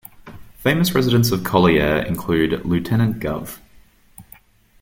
Famous residents of Colliers include former Lieutenant Gov.